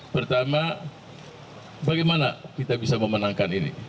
pertama bagaimana kita bisa memenangkan ini